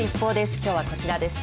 きょうはこちらです。